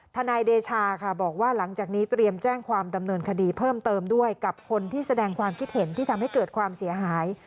นายเดชาค่ะบอกว่าหลังจากนี้เตรียมแจ้งความดำเนินคดีเพิ่มเติมด้วยกับคนที่แสดงความคิดเห็นที่ทำให้เกิดความเสียหาย